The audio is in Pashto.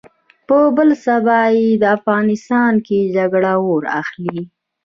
په بل سبا يې په افغانستان کې جګړه اور اخلي.